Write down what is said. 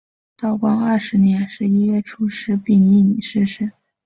道光二十年十一月初十丙寅逝世。